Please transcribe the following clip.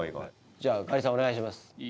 じゃあガリさんお願いします。